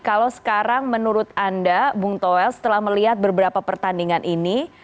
kalau sekarang menurut anda bung toel setelah melihat beberapa pertandingan ini